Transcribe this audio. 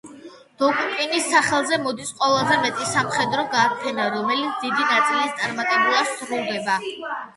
დოკუკინის სახელზე მოდის ყველაზე მეტი სამხედრო გაფრენა, რომელთა დიდი ნაწილიც წარმატებულად სრულდებოდა.